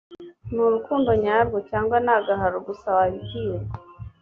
ni urukundo nyarwo cyangwa ni agahararo gusa wabibwirwa